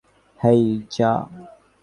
হেই, যা।